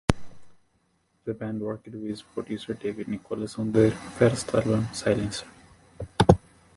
The band worked with producer David Nicholas on their first album "Silencer".